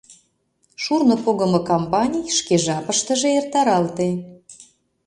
Шурно погымо кампаний шке жапыштыже эртаралте.